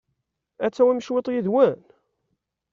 Ad tawim cwiṭ yid-wen?